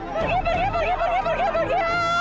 pergi pergi pergi pergi pergi pergi